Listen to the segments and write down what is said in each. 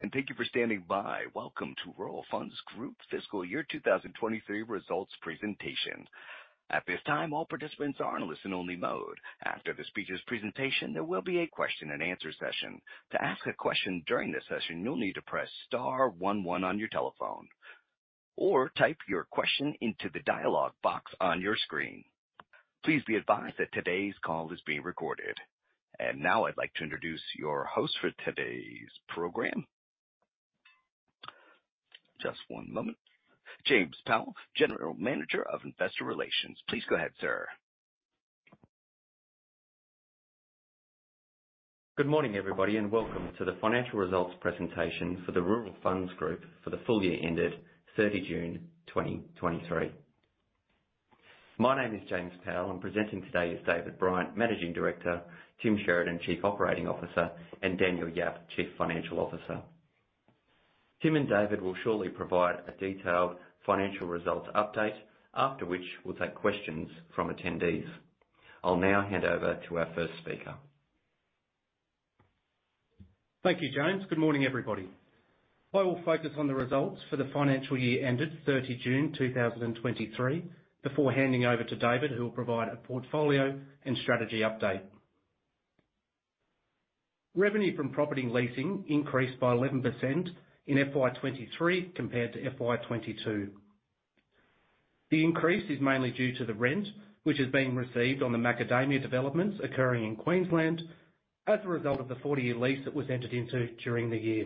Thank you for standing by. Welcome to Rural Funds Group Fiscal Year 2023 results presentation. At this time, all participants are in a listen-only mode. After the speaker's presentation, there will be a question and answer session. To ask a question during the session, you'll need to press star one one on your telephone, or type your question into the dialogue box on your screen. Please be advised that today's call is being recorded. Now I'd like to introduce your host for today's program. Just one moment. James Powell, General Manager of Investor Relations. Please go ahead, sir. Good morning, everybody, and welcome to the financial results presentation for the Rural Funds Group for the full year ended 30 June 2023. My name is James Powell, and presenting today is David Bryant, Managing Director, Tim Sheridan, Chief Operating Officer, and Daniel Yap, Chief Financial Officer. Tim and David will shortly provide a detailed financial results update, after which we'll take questions from attendees. I'll now hand over to our first speaker. Thank you, James. Good morning, everybody. I will focus on the results for the financial year ended 30 June 2023, before handing over to David, who will provide a portfolio and strategy update. Revenue from property leasing increased by 11% in FY 2023 compared to FY 2022. The increase is mainly due to the rent, which is being received on the macadamia developments occurring in Queensland as a result of the 40-year lease that was entered into during the year.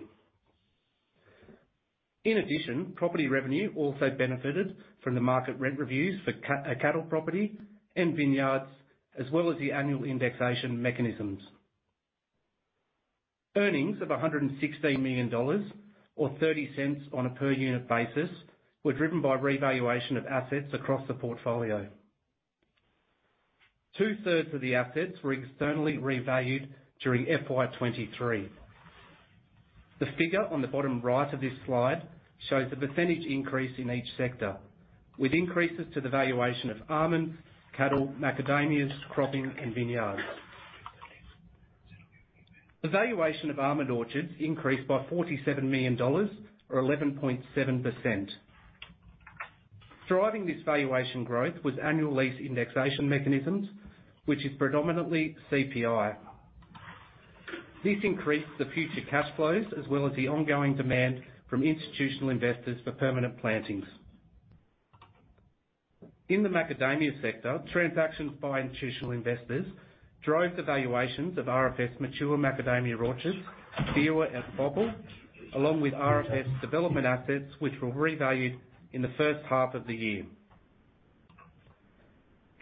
In addition, property revenue also benefited from the market rent reviews for cattle property and vineyards, as well as the annual indexation mechanisms. Earnings of 116 million dollars or 0.30 on a per unit basis, were driven by revaluation of assets across the portfolio. Two-thirds of the assets were externally revalued during FY 2023. The figure on the bottom right of this slide shows the percentage increase in each sector, with increases to the valuation of almonds, cattle, macadamias, cropping, and vineyards. The valuation of almond orchards increased by 47 million dollars, or 11.7%. Driving this valuation growth was annual lease indexation mechanisms, which is predominantly CPI. This increased the future cash flows, as well as the ongoing demand from institutional investors for permanent plantings. In the macadamia sector, transactions by institutional investors drove the valuations of RFF's mature macadamia orchards, Beerwah and Bauple, along with RFF's development assets, which were revalued in the first half of the year.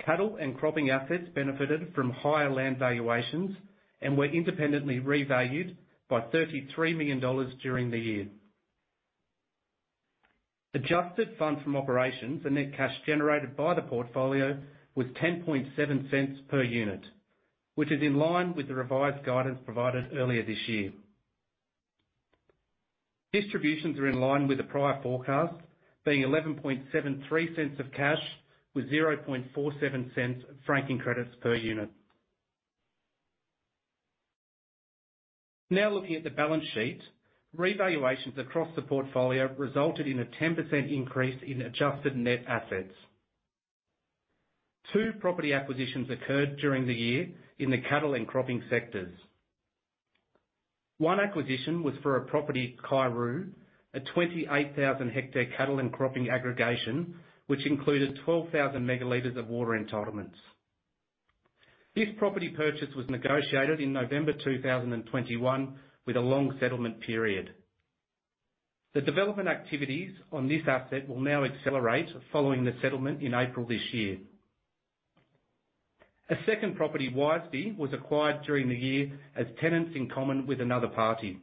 Cattle and cropping assets benefited from higher land valuations and were independently revalued by 33 million dollars during the year. Adjusted Funds From Operations and net cash generated by the portfolio was 0.107 per unit, which is in line with the revised guidance provided earlier this year. Distributions are in line with the prior forecast, being 0.1173 of cash with 0.0047 of franking credits per unit. Now, looking at the balance sheet, revaluations across the portfolio resulted in a 10% increase in adjusted net assets. Two property acquisitions occurred during the year in the cattle and cropping sectors. One acquisition was for a property, Kaiuroo, a 28,000-hectare cattle and cropping aggregation, which included 12,000 megaliters of water entitlements. This property purchase was negotiated in November 2021 with a long settlement period. The development activities on this asset will now accelerate following the settlement in April this year. A second property, Wyseby, was acquired during the year as tenants in common with another party.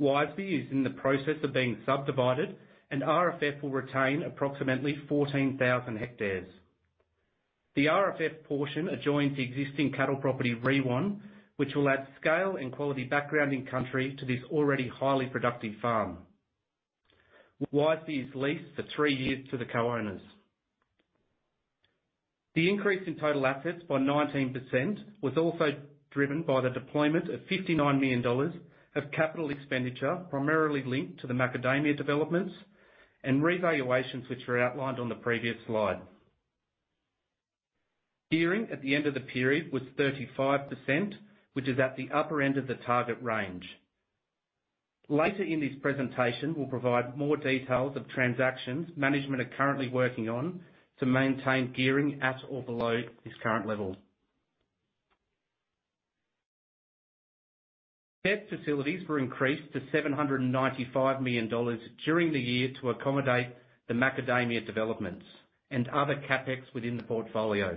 Wyseby is in the process of being subdivided, and RFF will retain approximately 14,000 hectares. The RFF portion adjoins the existing cattle property, Rewan, which will add scale and quality background in country to this already highly productive farm. Wyseby is leased for three years to the co-owners. The increase in total assets by 19% was also driven by the deployment of 59 million dollars of capital expenditure, primarily linked to the macadamia developments and revaluations, which are outlined on the previous slide. Gearing at the end of the period was 35%, which is at the upper end of the target range. Later in this presentation, we'll provide more details of transactions management are currently working on to maintain gearing at or below this current level. Debt facilities were increased to 795 million dollars during the year to accommodate the macadamia developments and other CapEx within the portfolio.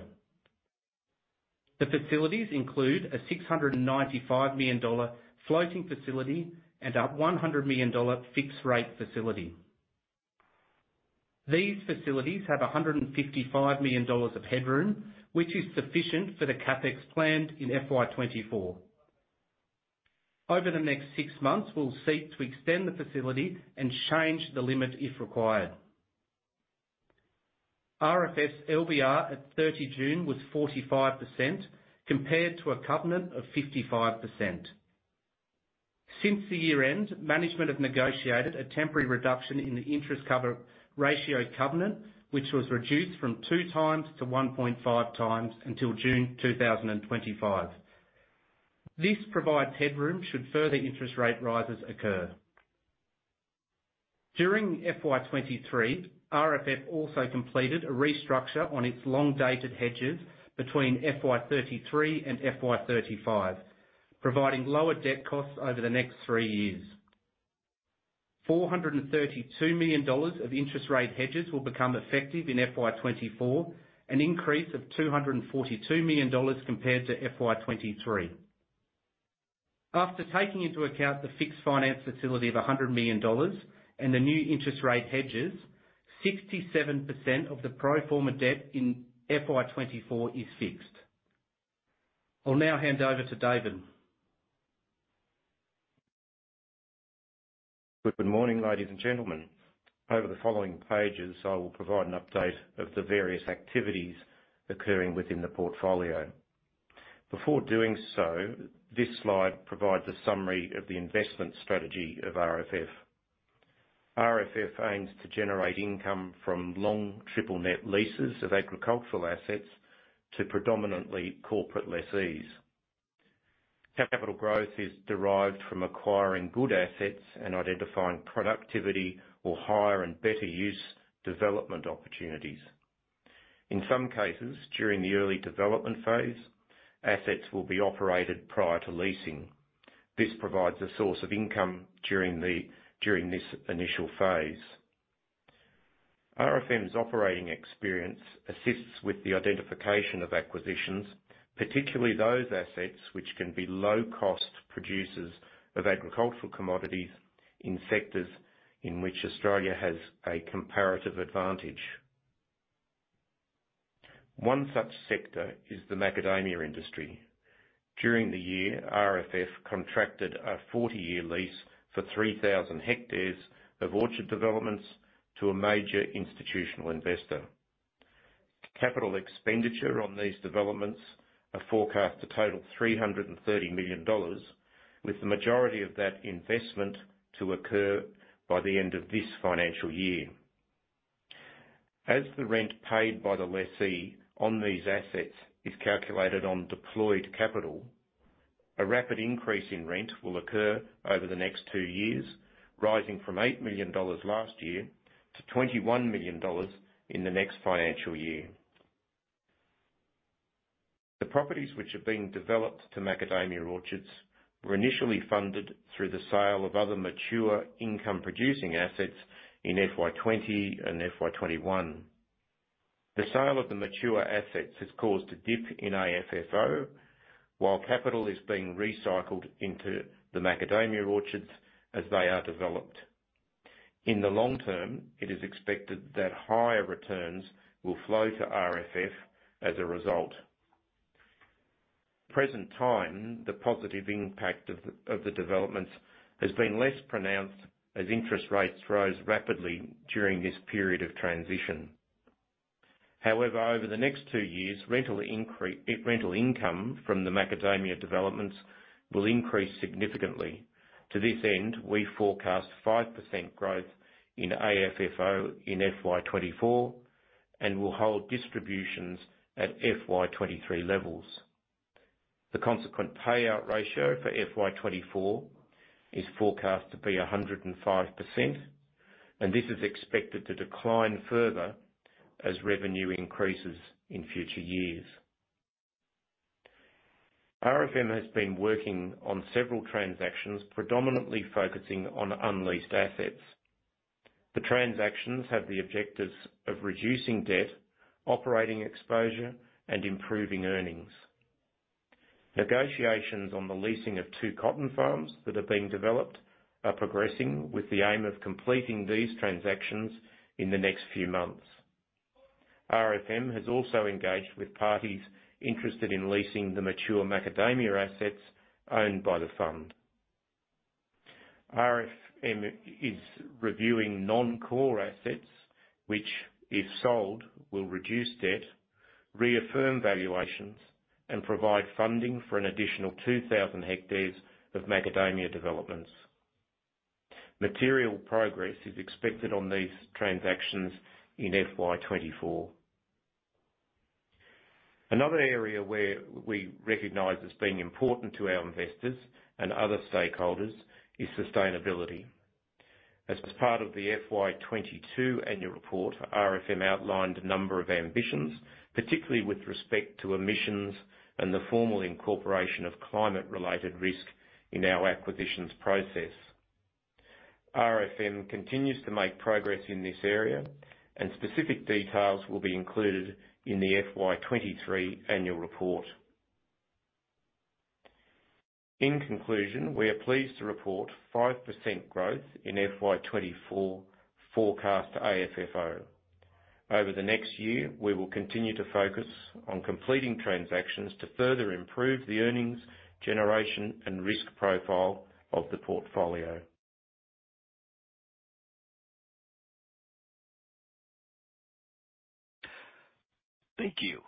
The facilities include a 695 million dollar floating facility and a 100 million dollar fixed-rate facility. These facilities have 155 million dollars of headroom, which is sufficient for the CapEx planned in FY 2024. Over the next six months, we'll seek to extend the facility and change the limit if required... RFF's LVR at 30 June was 45%, compared to a covenant of 55%. Since the year-end, management have negotiated a temporary reduction in the interest cover ratio covenant, which was reduced from 2 times to 1.5 times until June 2025. This provides headroom should further interest rate rises occur. During FY 2023, RFF also completed a restructure on its long-dated hedges between FY 2033 and FY 2035, providing lower debt costs over the next three years. 432 million dollars of interest rate hedges will become effective in FY 2024, an increase of 242 million dollars compared to FY 2023. After taking into account the fixed finance facility of 100 million dollars and the new interest rate hedges, 67% of the pro forma debt in FY 2024 is fixed. I'll now hand over to David. Good morning, ladies and gentlemen. Over the following pages, I will provide an update of the various activities occurring within the portfolio. Before doing so, this slide provides a summary of the investment strategy of RFF. RFF aims to generate income from long Triple Net Leases of agricultural assets to predominantly corporate lessees. Capital growth is derived from acquiring good assets and identifying productivity or higher and better use development opportunities. In some cases, during the early development phase, assets will be operated prior to leasing. This provides a source of income during this initial phase. RFF's operating experience assists with the identification of acquisitions, particularly those assets which can be low-cost producers of agricultural commodities in sectors in which Australia has a comparative advantage. One such sector is the macadamia industry. During the year, RFF contracted a 40-year lease for 3,000 hectares of orchard developments to a major institutional investor. Capital expenditure on these developments are forecast to total 330 million dollars, with the majority of that investment to occur by the end of this financial year. As the rent paid by the lessee on these assets is calculated on deployed capital, a rapid increase in rent will occur over the next two years, rising from 8 million dollars last year to 21 million dollars in the next financial year. The properties which are being developed to macadamia orchards were initially funded through the sale of other mature income-producing assets in FY 2020 and FY 2021. The sale of the mature assets has caused a dip in AFFO, while capital is being recycled into the macadamia orchards as they are developed. In the long term, it is expected that higher returns will flow to RFF as a result. Present time, the positive impact of the developments has been less pronounced as interest rates rose rapidly during this period of transition. However, over the next two years, rental income from the macadamia developments will increase significantly. To this end, we forecast 5% growth in AFFO in FY 2024, and will hold distributions at FY 2023 levels. The consequent payout ratio for FY 2024 is forecast to be 105%, and this is expected to decline further as revenue increases in future years. RFF has been working on several transactions, predominantly focusing on unleased assets. The transactions have the objectives of reducing debt, operating exposure, and improving earnings. Negotiations on the leasing of two cotton farms that are being developed are progressing, with the aim of completing these transactions in the next few months. RFF has also engaged with parties interested in leasing the mature macadamia assets owned by the fund. RFF is reviewing non-core assets, which, if sold, will reduce debt, reaffirm valuations, and provide funding for an additional 2,000 hectares of macadamia developments. Material progress is expected on these transactions in FY 2024. Another area where we recognize as being important to our investors and other stakeholders is sustainability. As part of the FY 2022 annual report, RFF outlined a number of ambitions, particularly with respect to emissions and the formal incorporation of climate-related risk in our acquisitions process. RFF continues to make progress in this area, and specific details will be included in the FY 2023 annual report. In conclusion, we are pleased to report 5% growth in FY 2024 forecast to AFFO. Over the next year, we will continue to focus on completing transactions to further improve the earnings, generation, and risk profile of the portfolio.... Thank you.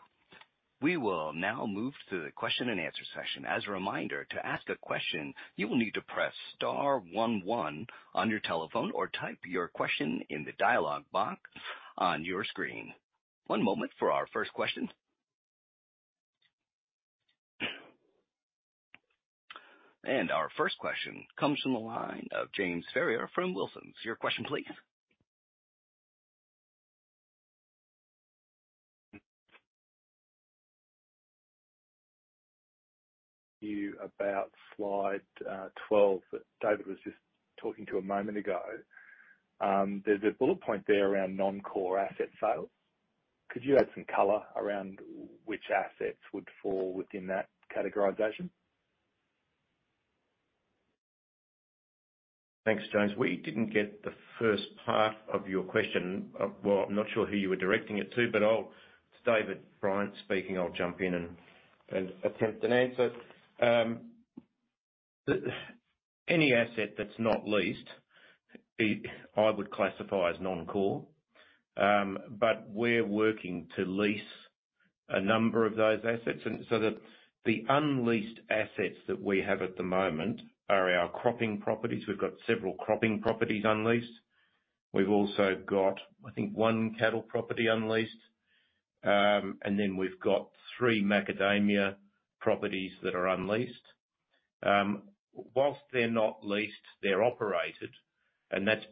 We will now move to the question and answer session. As a reminder, to ask a question, you will need to press star one one on your telephone, or type your question in the dialogue box on your screen. One moment for our first question. Our first question comes from the line of James Ferrier from Wilsons. Your question, please. You about slide 12, that David was just talking about a moment ago. There's a bullet point there around non-core asset sales. Could you add some color around which assets would fall within that categorization? Thanks, James. We didn't get the first part of your question. Well, I'm not sure who you were directing it to, but it's David Bryant speaking. I'll jump in and attempt an answer. Any asset that's not leased, I would classify as non-core. But we're working to lease a number of those assets, and so the unleased assets that we have at the moment are our cropping properties. We've got several cropping properties unleased. We've also got, I think, one cattle property unleased. And then we've got three macadamia properties that are unleased. Whilst they're not leased, they're operated, and that's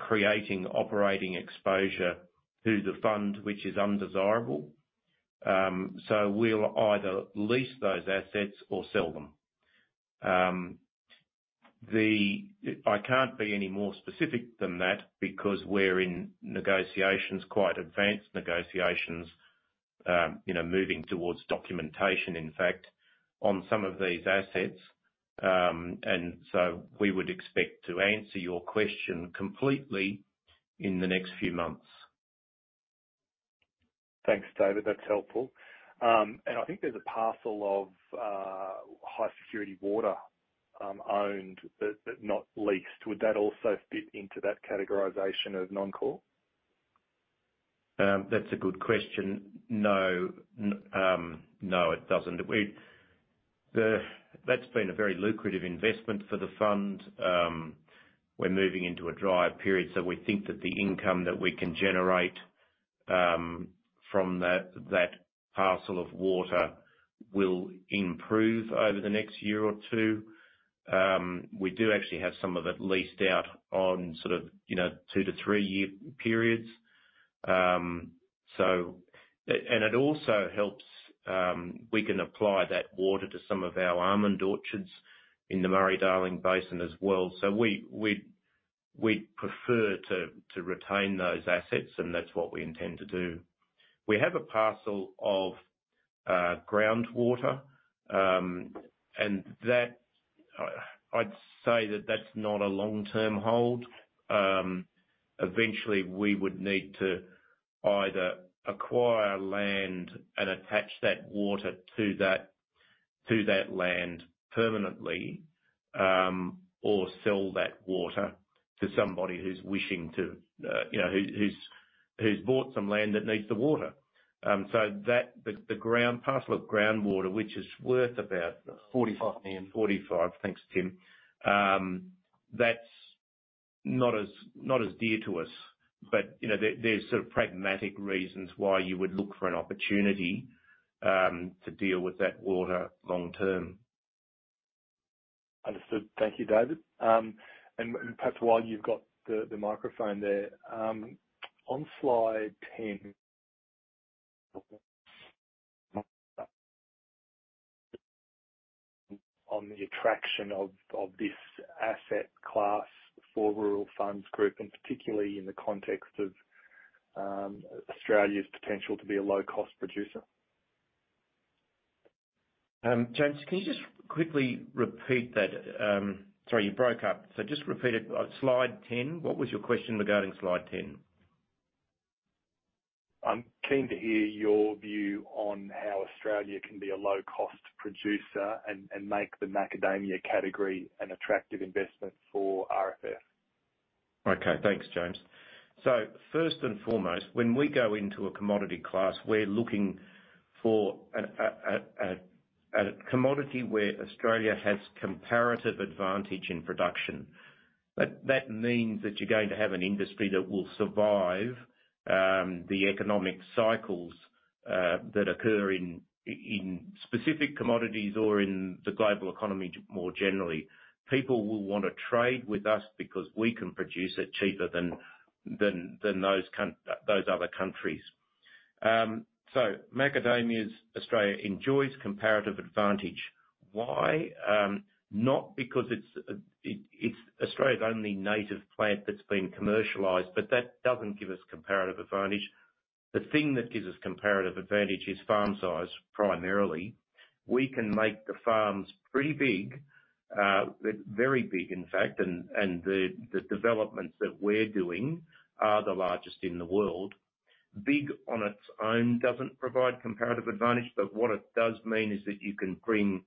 creating operating exposure to the fund, which is undesirable. So we'll either lease those assets or sell them. The... I can't be any more specific than that because we're in negotiations, quite advanced negotiations, you know, moving towards documentation, in fact, on some of these assets. And so we would expect to answer your question completely in the next few months. Thanks, David. That's helpful. And I think there's a parcel of high security water owned that, but not leased. Would that also fit into that categorization of non-core? That's a good question. No, no, it doesn't. That's been a very lucrative investment for the fund. We're moving into a drier period, so we think that the income that we can generate from that parcel of water will improve over the next year or two. We do actually have some of it leased out on sort of, you know, 2-3-year periods. So... And it also helps, we can apply that water to some of our almond orchards in the Murray-Darling Basin as well. So we'd prefer to retain those assets, and that's what we intend to do. We have a parcel of groundwater, and that, I'd say that's not a long-term hold. Eventually, we would need to either acquire land and attach that water to that land permanently, or sell that water to somebody who's wishing to, you know, who's bought some land that needs the water. So that, the groundwater parcel, which is worth about- Forty-five million. 45. Thanks, Tim. That's not as, not as dear to us, but, you know, there, there's sort of pragmatic reasons why you would look for an opportunity to deal with that water long term. Understood. Thank you, David. And perhaps while you've got the microphone there, on slide ten, on the attraction of this asset class for Rural Funds Group, and particularly in the context of Australia's potential to be a low-cost producer. James, can you just quickly repeat that? Sorry, you broke up, so just repeat it. Slide 10. What was your question regarding slide 10? I'm keen to hear your view on how Australia can be a low-cost producer and make the macadamia category an attractive investment for RFF. Okay, thanks, James. So first and foremost, when we go into a commodity class, we're looking for a commodity where Australia has comparative advantage in production. That means that you're going to have an industry that will survive the economic cycles that occur in specific commodities or in the global economy, more generally. People will want to trade with us because we can produce it cheaper than those other countries. So macadamias, Australia enjoys comparative advantage. Why? Not because it's Australia's only native plant that's been commercialized, but that doesn't give us comparative advantage. The thing that gives us comparative advantage is farm size, primarily. We can make the farms pretty big, very big, in fact, and the developments that we're doing are the largest in the world.... Big on its own doesn't provide comparative advantage, but what it does mean is that you can bring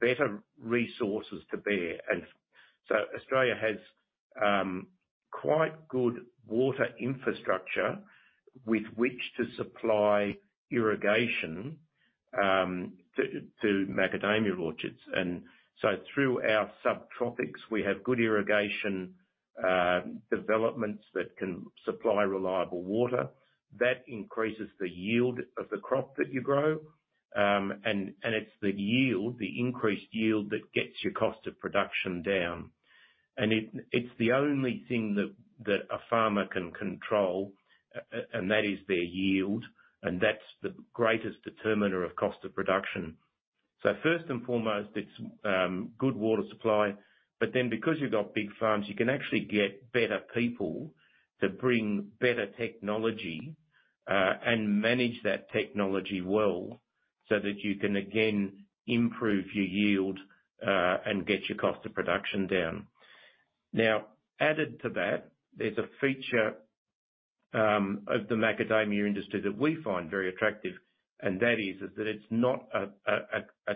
better resources to bear. And so Australia has quite good water infrastructure with which to supply irrigation to macadamia orchards. And so through our subtropics, we have good irrigation developments that can supply reliable water. That increases the yield of the crop that you grow. And it's the yield, the increased yield, that gets your cost of production down. And it's the only thing that a farmer can control, and that is their yield, and that's the greatest determiner of cost of production. So first and foremost, it's good water supply, but then because you've got big farms, you can actually get better people to bring better technology and manage that technology well, so that you can again improve your yield and get your cost of production down. Now, added to that, there's a feature of the macadamia industry that we find very attractive, and that is that it's not a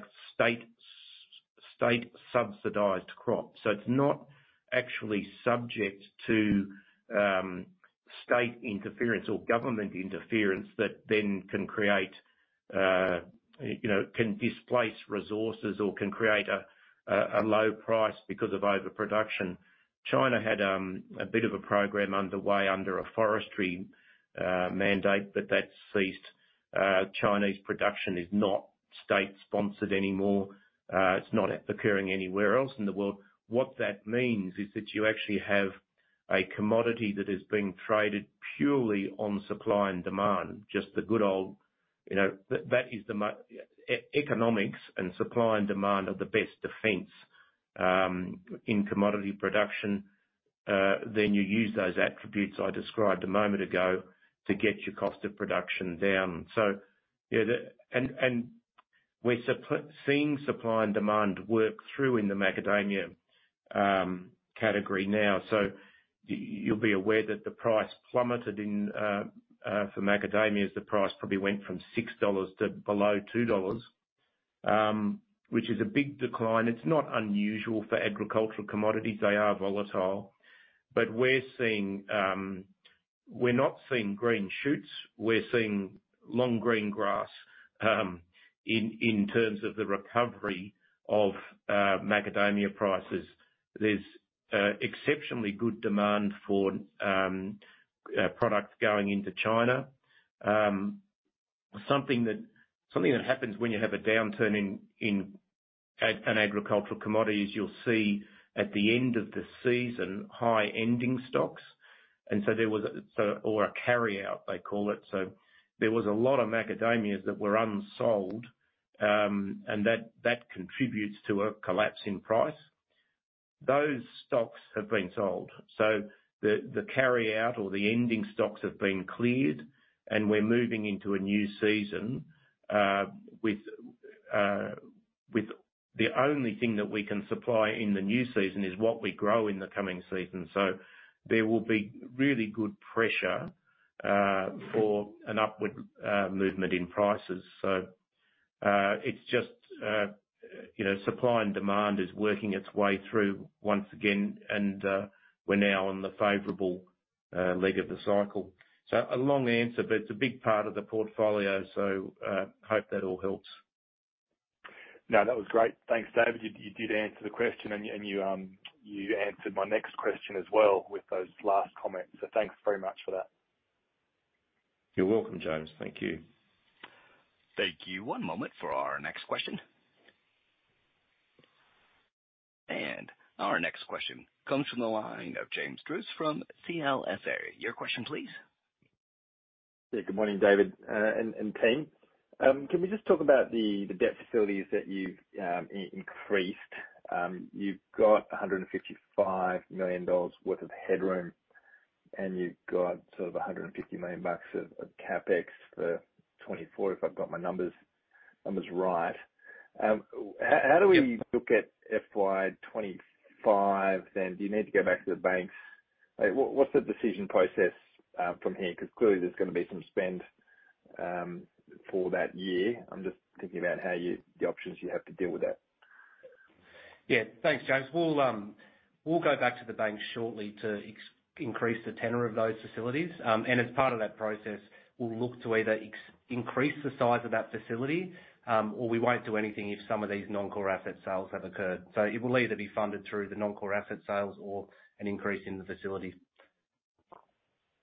state-subsidized crop. So it's not actually subject to state interference or government interference that then can create, you know, can displace resources or can create a low price because of overproduction. China had a bit of a program underway under a forestry mandate, but that's ceased. Chinese production is not state-sponsored anymore. It's not occurring anywhere else in the world. What that means is that you actually have a commodity that is being traded purely on supply and demand, just the good old, you know, that, that is the market economics and supply and demand are the best defense in commodity production. Then you use those attributes I described a moment ago to get your cost of production down. So yeah, we're seeing supply and demand work through in the macadamia category now. So you'll be aware that the price plummeted for macadamias, the price probably went from 6 dollars to below 2 dollars, which is a big decline. It's not unusual for agricultural commodities. They are volatile. But we're seeing, we're not seeing green shoots. We're seeing long green grass in terms of the recovery of macadamia prices. There's exceptionally good demand for products going into China. Something that happens when you have a downturn in an agricultural commodity is you'll see at the end of the season, high ending stocks. And so there was a carry-out, they call it. So there was a lot of macadamias that were unsold, and that contributes to a collapse in price. Those stocks have been sold, so the carry-out or the ending stocks have been cleared, and we're moving into a new season with the only thing that we can supply in the new season is what we grow in the coming season. So there will be really good pressure for an upward movement in prices. So, it's just, you know, supply and demand is working its way through once again, and, we're now on the favorable, leg of the cycle. So a long answer, but it's a big part of the portfolio, so, hope that all helps. No, that was great. Thanks, David. You did answer the question, and you answered my next question as well with those last comments, so thanks very much for that. You're welcome, James. Thank you. Thank you. One moment for our next question. Our next question comes from the line of James Druce from CLSA. Your question please. Yeah. Good morning, David, and team. Can we just talk about the debt facilities that you've increased? You've got 155 million dollars worth of headroom, and you've got sort of a 150 million bucks of CapEx for 2024, if I've got my numbers right. How do we look at FY 2025 then? Do you need to go back to the banks? Like, what's the decision process from here? Because clearly there's gonna be some spend for that year. I'm just thinking about how you the options you have to deal with that. Yeah. Thanks, James. We'll go back to the bank shortly to increase the tenor of those facilities. And as part of that process, we'll look to either increase the size of that facility, or we won't do anything if some of these non-core asset sales have occurred. So it will either be funded through the non-core asset sales or an increase in the facility.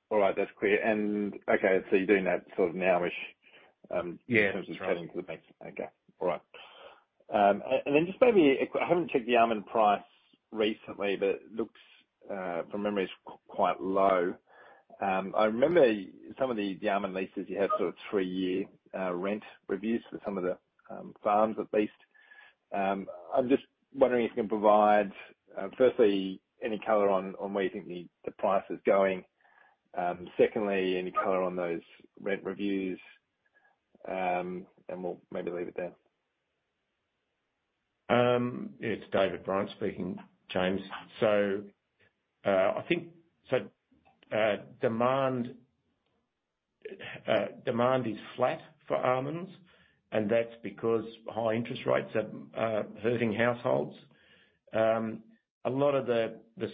All right, that's clear. Okay, so you're doing that sort of now-ish, Yeah, that's right. In terms of chatting to the bank. Okay, all right. And then just maybe, I haven't checked the almond price recently, but it looks, from memory, it's quite low. I remember some of the almond leases you had sort of three-year rent reviews for some of the farms, at least. I'm just wondering if you can provide, firstly, any color on where you think the price is going. Secondly, any color on those rent reviews? And we'll maybe leave it there.... It's David Bryant speaking, James. So, I think so, demand is flat for almonds, and that's because high interest rates are hurting households. A lot of the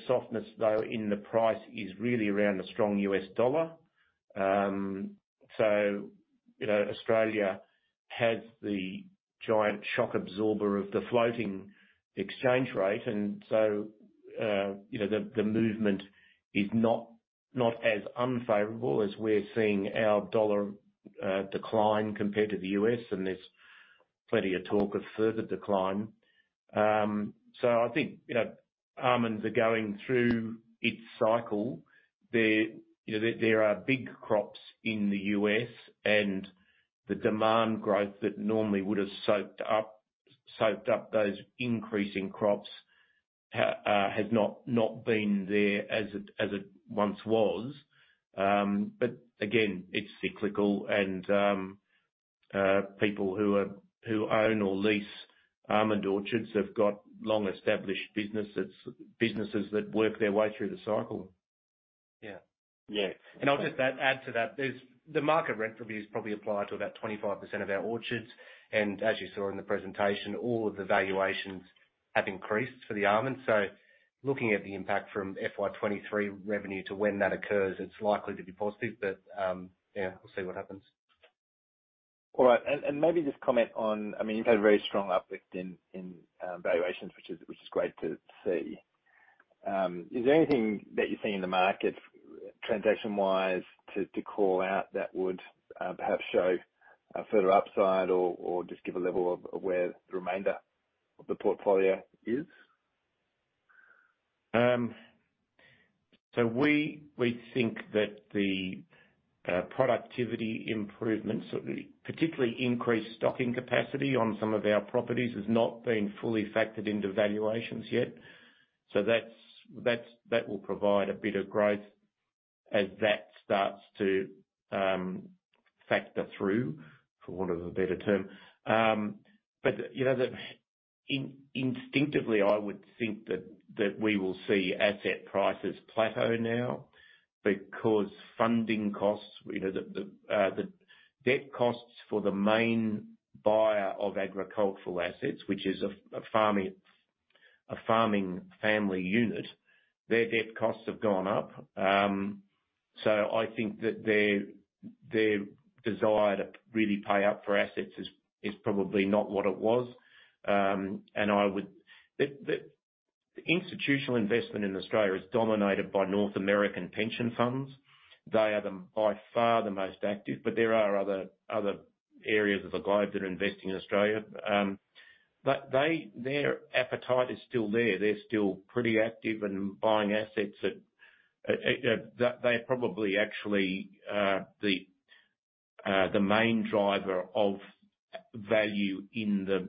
softness, though, in the price is really around the strong U.S. dollar. So, you know, Australia has the giant shock absorber of the floating exchange rate. And so, you know, the movement is not as unfavorable as we're seeing our dollar decline compared to the U.S., and there's plenty of talk of further decline. So I think, you know, almonds are going through its cycle. You know, there are big crops in the U.S., and the demand growth that normally would have soaked up those increasing crops has not been there as it once was. But again, it's cyclical and people who own or lease almond orchards have got long-established businesses, businesses that work their way through the cycle. Yeah. Yeah. I'll just add to that. The market rent reviews probably apply to about 25% of our orchards, and as you saw in the presentation, all of the valuations have increased for the almonds. So looking at the impact from FY 2023 revenue to when that occurs, it's likely to be positive, but, yeah, we'll see what happens. All right, and maybe just comment on... I mean, you've had a very strong uplift in valuations, which is great to see. Is there anything that you're seeing in the market transaction-wise to call out that would perhaps show a further upside, or just give a level of where the remainder of the portfolio is? So we think that the productivity improvements, particularly increased stocking capacity on some of our properties, has not been fully factored into valuations yet. So that's that will provide a bit of growth as that starts to factor through, for want of a better term. But, you know, instinctively, I would think that we will see asset prices plateau now, because funding costs, you know, the debt costs for the main buyer of agricultural assets, which is a farming family unit, their debt costs have gone up. So I think that their desire to really pay up for assets is probably not what it was. And the institutional investment in Australia is dominated by North American pension funds. They are, by far, the most active, but there are other areas of the globe that are investing in Australia. But they, their appetite is still there. They're still pretty active in buying assets at... They're probably actually the main driver of value in the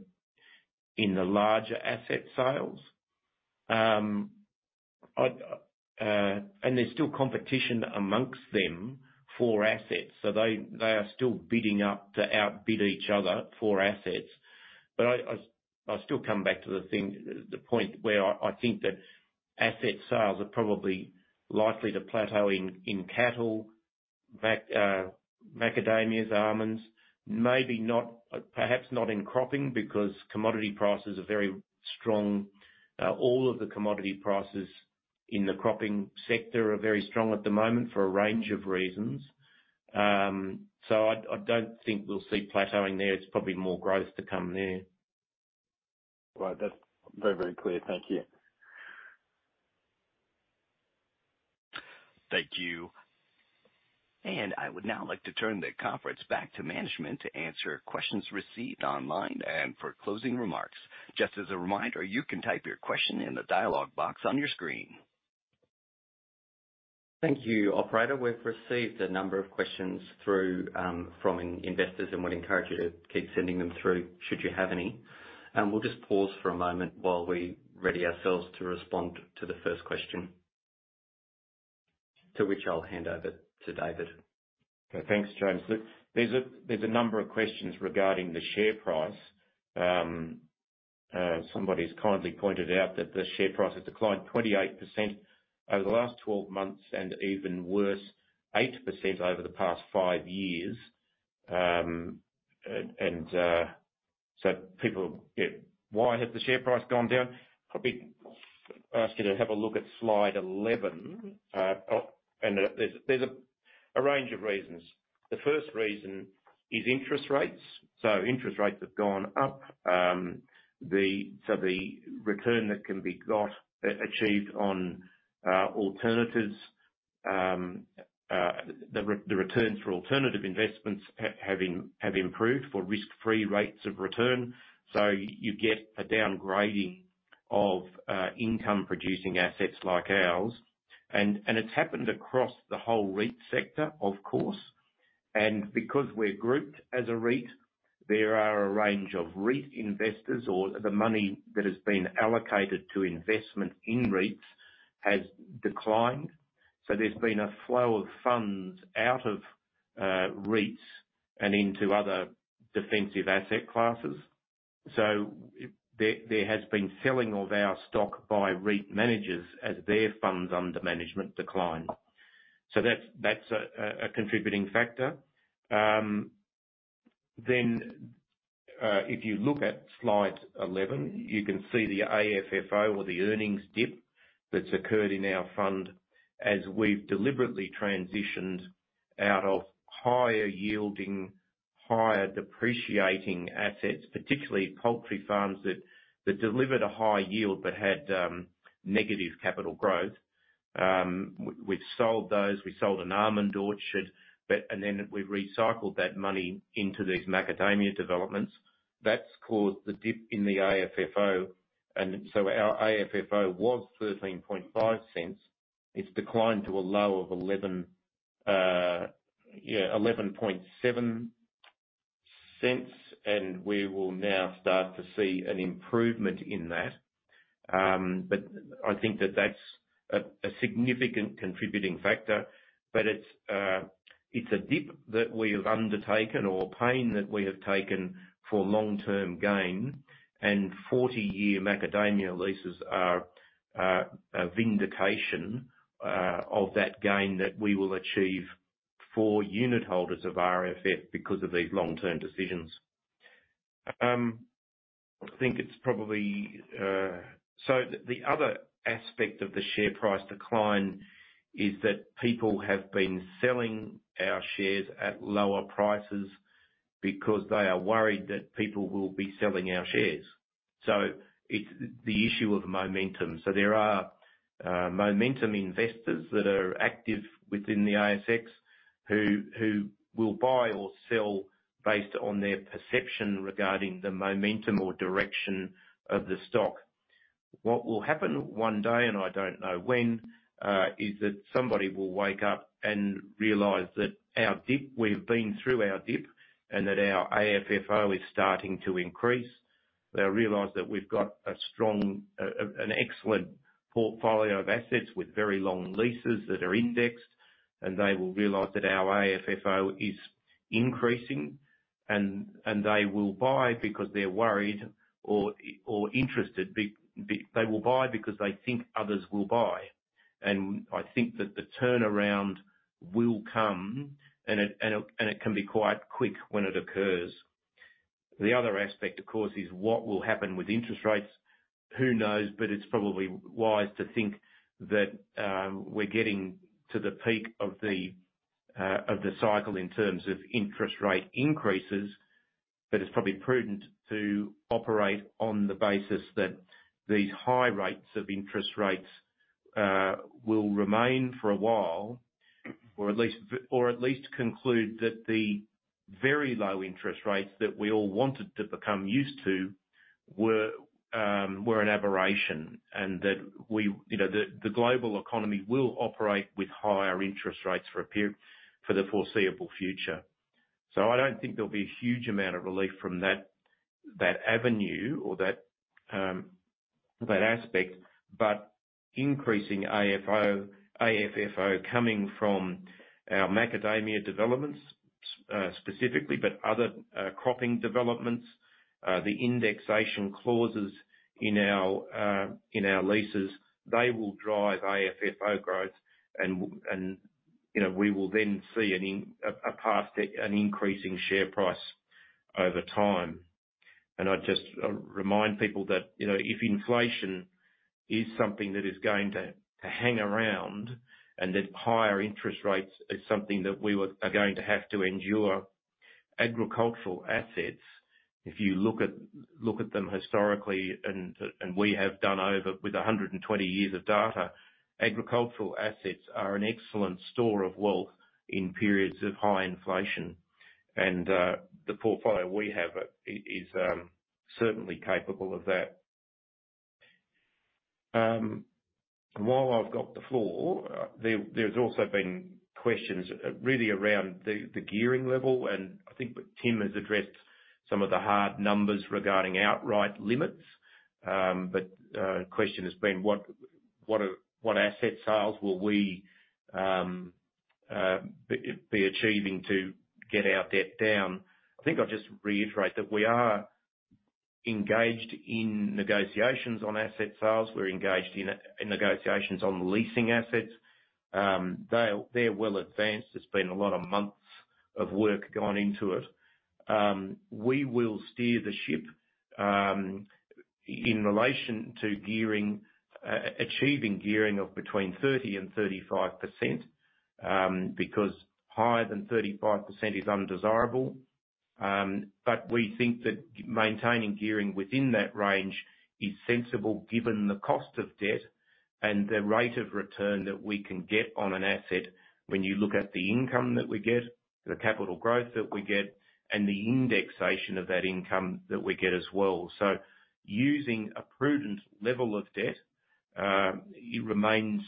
larger asset sales. And there's still competition among them for assets, so they are still bidding up to outbid each other for assets. But I still come back to the point where I think that asset sales are probably likely to plateau in cattle, macadamias, almonds. Maybe not, perhaps not in cropping, because commodity prices are very strong. All of the commodity prices in the cropping sector are very strong at the moment for a range of reasons. So I don't think we'll see plateauing there. It's probably more growth to come there. Right. That's very, very clear. Thank you. Thank you. I would now like to turn the conference back to management to answer questions received online, and for closing remarks. Just as a reminder, you can type your question in the dialogue box on your screen. Thank you, operator. We've received a number of questions through, from investors, and would encourage you to keep sending them through, should you have any. We'll just pause for a moment while we ready ourselves to respond to the first question, to which I'll hand over to David. Okay. Thanks, James. Look, there's a number of questions regarding the share price. Somebody's kindly pointed out that the share price has declined 28% over the last 12 months, and even worse, 8% over the past 5 years. And so people... Yeah, why has the share price gone down? Probably ask you to have a look at slide 11. And there's a range of reasons. The first reason is interest rates. So interest rates have gone up. The return that can be got achieved on alternatives, the returns for alternative investments have improved for risk-free rates of return. So you get a downgrading of income-producing assets like ours. And it's happened across the whole REIT sector, of course. Because we're grouped as a REIT, there are a range of REIT investors, or the money that has been allocated to investment in REITs has declined, so there's been a flow of funds out of REITs and into other defensive asset classes. So there has been selling of our stock by REIT managers as their funds under management decline. So that's a contributing factor. Then, if you look at slide 11, you can see the AFFO or the earnings dip that's occurred in our fund, as we've deliberately transitioned out of higher yielding, higher depreciating assets, particularly poultry farms, that delivered a high yield, but had negative capital growth. We've sold those. We sold an almond orchard, but and then we've recycled that money into these macadamia developments. That's caused the dip in the AFFO, and so our AFFO was 0.135. It's declined to a low of 0.117, and we will now start to see an improvement in that. But I think that that's a significant contributing factor, but it's a dip that we've undertaken or pain that we have taken for long-term gain. And 40-year macadamia leases are a vindication of that gain that we will achieve for unit holders of RFF because of these long-term decisions. I think it's probably... So the other aspect of the share price decline is that people have been selling our shares at lower prices because they are worried that people will be selling our shares. So it's the issue of momentum. So there are momentum investors that are active within the ASX who will buy or sell based on their perception regarding the momentum or direction of the stock. What will happen one day, and I don't know when, is that somebody will wake up and realize that our dip, we've been through our dip, and that our AFFO is starting to increase. They'll realize that we've got a strong, an excellent portfolio of assets with very long leases that are indexed, and they will realize that our AFFO is increasing, and they will buy because they're worried or interested because they will buy because they think others will buy. And I think that the turnaround will come, and it can be quite quick when it occurs. The other aspect, of course, is what will happen with interest rates? Who knows, but it's probably wise to think that we're getting to the peak of the cycle in terms of interest rate increases. But it's probably prudent to operate on the basis that these high rates of interest rates will remain for a while. Or at least conclude that the very low interest rates that we all wanted to become used to were an aberration, and that we, you know, the global economy will operate with higher interest rates for a period, for the foreseeable future. So I don't think there'll be a huge amount of relief from that, that avenue or that aspect, but increasing AFFO coming from our macadamia developments, specifically, but other cropping developments, the indexation clauses in our leases, they will drive AFFO growth. And, you know, we will then see a path to an increasing share price over time. And I'd just remind people that, you know, if inflation is something that is going to hang around, and that higher interest rates is something that we are going to have to endure, agricultural assets, if you look at them historically, and we have done so with over 120 years of data, agricultural assets are an excellent store of wealth in periods of high inflation. And the portfolio we have is certainly capable of that. While I've got the floor, there's also been questions really around the gearing level, and I think that Tim has addressed some of the hard numbers regarding outright limits. But question has been, what asset sales will we be achieving to get our debt down? I think I'll just reiterate that we are engaged in negotiations on asset sales. We're engaged in negotiations on leasing assets. They are, they're well advanced. There's been a lot of months of work gone into it. We will steer the ship in relation to gearing, achieving gearing of between 30% and 35%, because higher than 35% is undesirable. But we think that maintaining gearing within that range is sensible, given the cost of debt and the rate of return that we can get on an asset when you look at the income that we get, the capital growth that we get, and the indexation of that income that we get as well. So using a prudent level of debt, it remains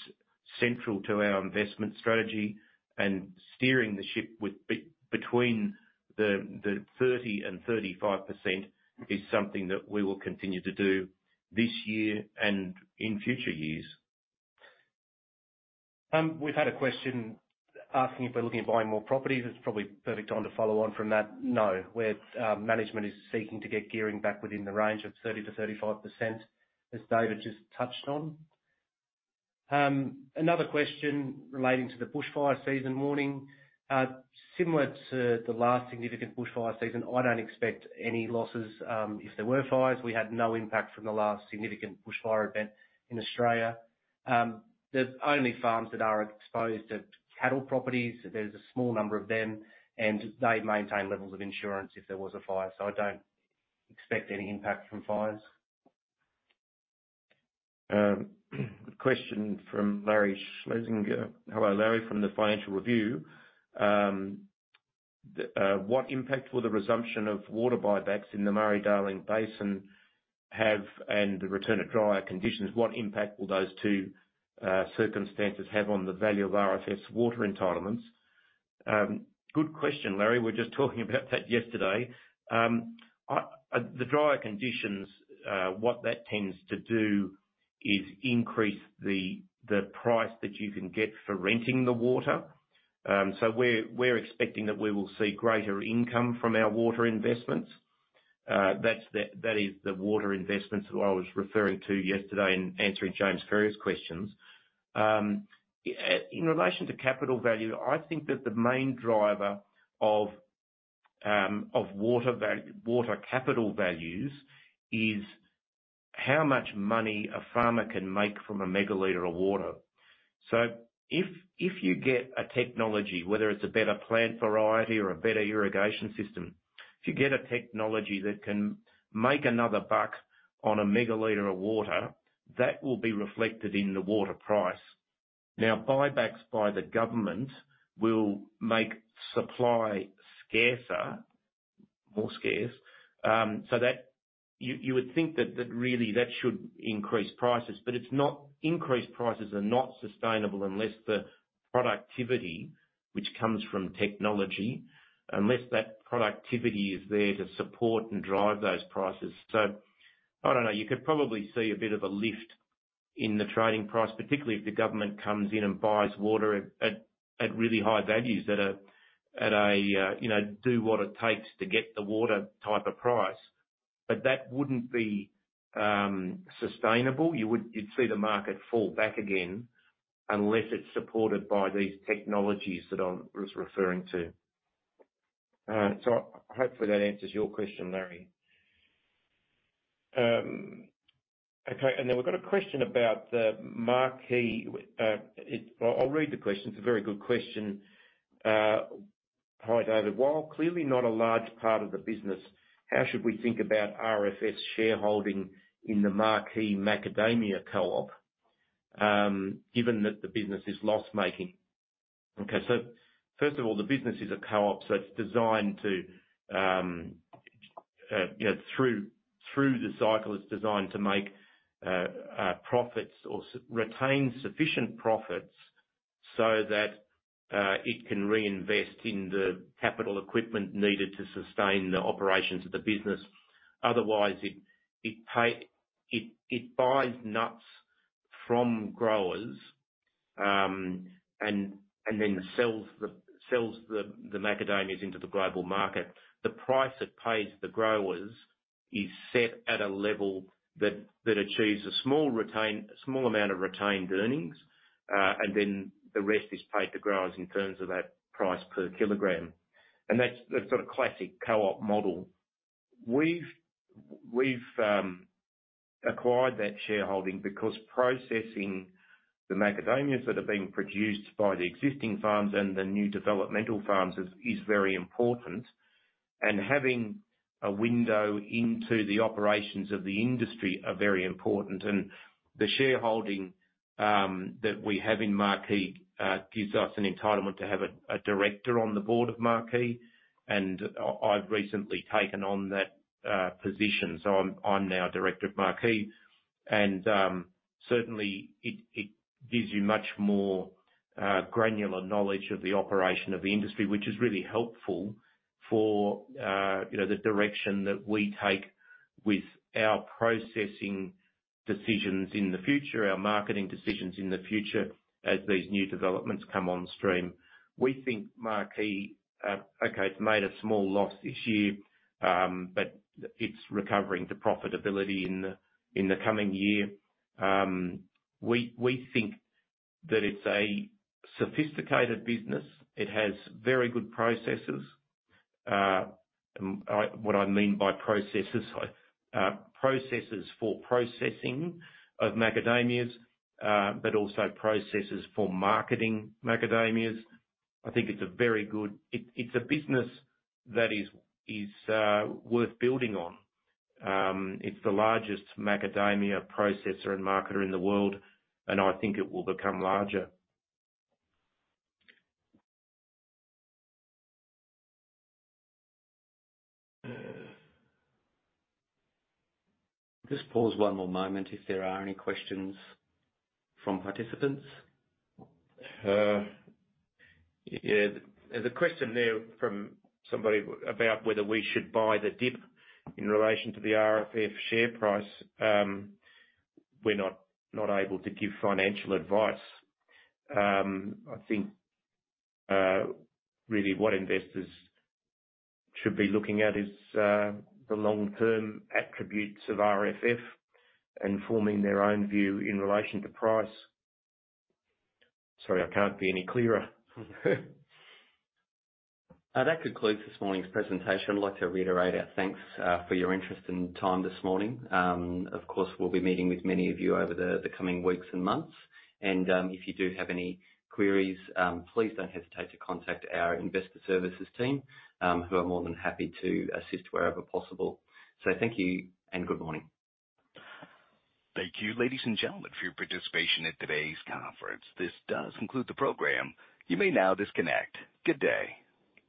central to our investment strategy, and steering the ship between 30% and 35% is something that we will continue to do this year and in future years. We've had a question asking if we're looking at buying more properties. It's probably the perfect time to follow on from that. No, where management is seeking to get gearing back within the range of 30%-35%, as David just touched on. Another question relating to the bushfire season warning. Similar to the last significant bushfire season, I don't expect any losses if there were fires; we had no impact from the last significant bushfire event in Australia. The only farms that are exposed are cattle properties. There's a small number of them, and they maintain levels of insurance if there was a fire, so I don't expect any impact from fires. Question from Larry Schlesinger. Hello, Larry, from the Financial Review. What impact will the resumption of water buybacks in the Murray-Darling Basin have, and the return of drier conditions, what impact will those two circumstances have on the value of RFF's water entitlements? Good question, Larry. We were just talking about that yesterday. The drier conditions, what that tends to do is increase the price that you can get for renting the water. So we're expecting that we will see greater income from our water investments. That's the water investments that I was referring to yesterday in answering James Ferrier's questions. In relation to capital value, I think that the main driver of water capital values is how much money a farmer can make from a megaliter of water. So if you get a technology, whether it's a better plant variety or a better irrigation system, if you get a technology that can make another buck on a megaliter of water, that will be reflected in the water price. Now, buybacks by the government will make supply scarcer, more scarce, so that you would think that really that should increase prices, but it's not. Increased prices are not sustainable unless the productivity, which comes from technology, unless that productivity is there to support and drive those prices. So I don't know, you could probably see a bit of a lift in the trading price, particularly if the government comes in and buys water at really high values that are at a, you know, do what it takes to get the water, type of price. But that wouldn't be sustainable. You'd see the market fall back again, unless it's supported by these technologies that I was referring to. So hopefully, that answers your question, Larry. Okay, and then we've got a question about the Marquis. I'll read the question. It's a very good question. "Hi, David. While clearly not a large part of the business, how should we think about RFF's shareholding in the Marquis Macadamias co-op, given that the business is loss-making? Okay, so first of all, the business is a co-op, so it's designed to, you know, through the cycle, it's designed to make profits or retain sufficient profits, so that it can reinvest in the capital equipment needed to sustain the operations of the business. Otherwise, it buys nuts from growers, and then sells the macadamias into the global market. The price it pays the growers is set at a level that achieves a small amount of retained earnings, and then the rest is paid to growers in terms of that price per kilogram. And that's sort of classic co-op model. We've acquired that shareholding because processing the macadamias that are being produced by the existing farms and the new developmental farms is very important, and having a window into the operations of the industry are very important. And the shareholding that we have in Marquis gives us an entitlement to have a director on the board of Marquis, and I've recently taken on that position, so I'm now director of Marquis. And certainly, it gives you much more granular knowledge of the operation of the industry, which is really helpful for, you know, the direction that we take with our processing decisions in the future, our marketing decisions in the future, as these new developments come on stream. We think Marquis. Okay, it's made a small loss this year, but it's recovering to profitability in the coming year. We think that it's a sophisticated business. It has very good processes. What I mean by processes, processes for processing of macadamias, but also processes for marketing macadamias. I think it's a business that is worth building on. It's the largest macadamia processor and marketer in the world, and I think it will become larger. Just pause one more moment, if there are any questions from participants? Yeah. There's a question there from somebody about whether we should buy the dip in relation to the RFF share price. We're not, not able to give financial advice. I think really what investors should be looking at is the long-term attributes of RFF and forming their own view in relation to price. Sorry, I can't be any clearer. That concludes this morning's presentation. I'd like to reiterate our thanks for your interest and time this morning. Of course, we'll be meeting with many of you over the coming weeks and months, and if you do have any queries, please don't hesitate to contact our investor services team, who are more than happy to assist wherever possible. So thank you and good morning. Thank you, ladies and gentlemen, for your participation in today's conference. This does conclude the program. You may now disconnect. Good day.